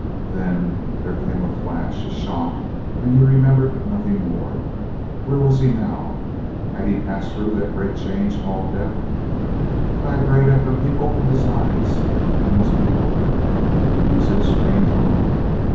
Then there came a flash, a shock—and he remembered nothing more. Where was he now? Had he passed through that great change called death? By a great effort he opened his eyes, and was bewildered. He was in a strange room.